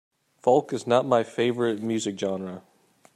Folk is not my favorite music genre.